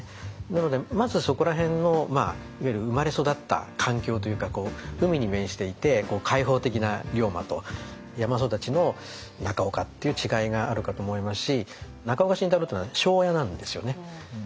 なのでまずそこら辺のいわゆる生まれ育った環境というか海に面していて開放的な龍馬と山育ちの中岡っていう違いがあるかと思いますし中岡慎太郎っていうのは庄屋なんですよね。